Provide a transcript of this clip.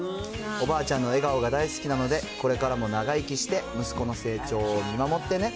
おばあちゃんの笑顔が大好きなので、これからも長生きして息子の成長を見守ってね。